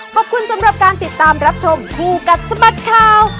ขอบคุณสำหรับการติดตามรับชมคู่กัดสะบัดข่าว